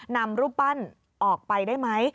นำรูปปั้นออกไปได้ไหม